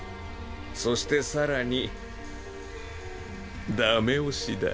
そして更にダメ押しだ。